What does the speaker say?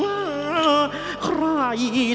อับว่านะสิทธิ์ที่